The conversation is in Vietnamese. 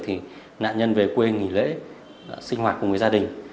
thì nạn nhân về quê nghỉ lễ sinh hoạt cùng với gia đình